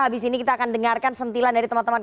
habis ini kita akan dengarkan sentilan